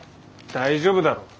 大丈夫だろ。